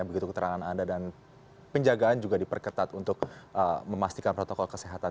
begitu keterangan anda dan penjagaan juga diperketat untuk memastikan protokol kesehatan